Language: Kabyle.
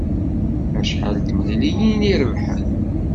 Acḥal n temliliyin i rebḥen?